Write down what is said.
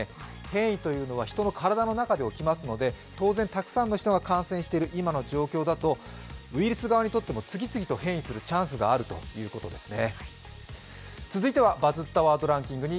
変異というのは人の体の中で起きますので当然、たくさんの人が感染している今の状況だとウイルス側にとっても次々と変異するチャンスがあるということですね。